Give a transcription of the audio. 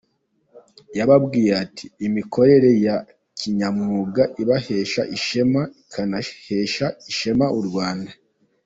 Yababwiye ati,”Imikorere ya kinyamwuga ibahesha ishema ikanahesha ishema U Rwanda.